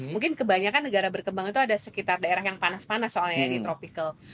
mungkin kebanyakan negara berkembang itu ada sekitar daerah yang panas panas soalnya di tropical